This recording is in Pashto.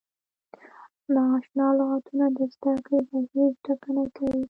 نا اشنا لغتونه د زده کړې بهیر ټکنی کوي.